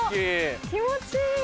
気持ちいい！